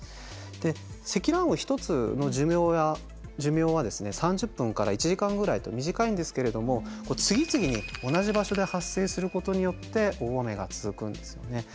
で積乱雲１つの寿命は３０分から１時間ぐらいと短いんですけれども次々に同じ場所で発生することによって大雨が続くんですよね。